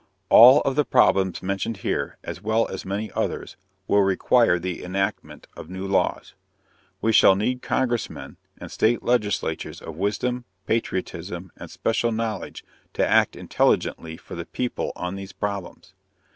All of the problems mentioned here, as well as many others, will require the enactment of new laws. We shall need congressmen and state legislators of wisdom, patriotism, and special knowledge to act intelligently for the people on these problems.